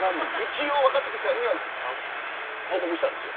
一応若槻さんには報告したんですよ。